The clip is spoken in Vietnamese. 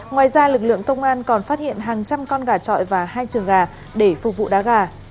ngoài ra lực lượng công an còn phát hiện hàng trăm con gà trọi và hai trường gà để phục vụ đá gà